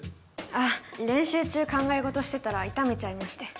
あっ練習中考え事してたら痛めちゃいまして。